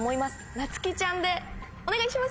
なつきちゃんでお願いします！